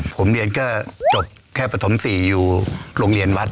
ผมเรียนก็จบแค่ปฐม๔อยู่โรงเรียนวัด